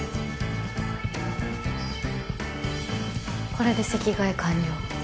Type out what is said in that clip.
これで席替え完了。